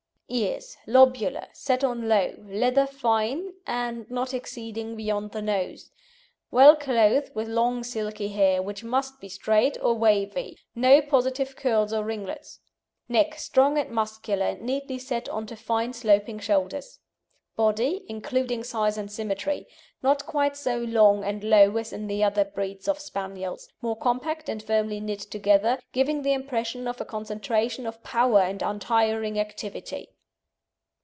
EARS Lobular, set on low, leather fine and not exceeding beyond the nose, well clothed with long silky hair, which must be straight or wavy no positive curls or ringlets. NECK Strong and muscular, and neatly set on to fine sloping shoulders. BODY (INCLUDING SIZE AND SYMMETRY) Not quite so long and low as in the other breeds of Spaniels, more compact and firmly knit together, giving the impression of a concentration of power and untiring activity.